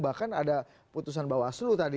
bahkan ada putusan bawaslu tadi